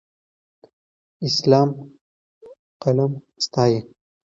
اسلام قلم ستایي.